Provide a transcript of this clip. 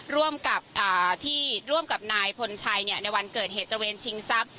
ร่วมกับที่ร่วมกับนายพลชัยในวันเกิดเหตุตระเวนชิงทรัพย